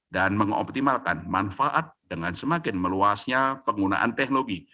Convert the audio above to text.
dan mengoptimalkan manfaat dengan semakin meluasnya penggunaan teknologi